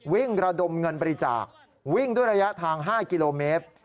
วิ่งระดมเงินบริจาควิ่งด้วยระยะทาง๕กิโลเมตร